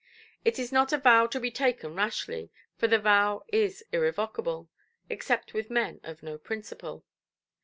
It is not a vow to be taken rashly, for the vow is irrevocable; except with men of no principle.